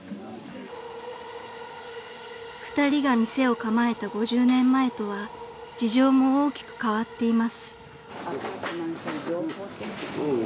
［２人が店を構えた５０年前とは事情も大きく変わっています］